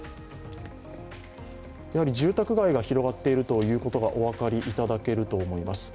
やはり住宅街が広がっているということがお分かりいただけると思います。